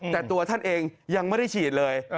แต่ตัวท่านเองยังไม่ได้ฉีดเลย